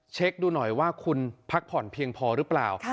เช็คดูหน่อยว่าคุณพักผ่อนเพียงพอหรือเปล่า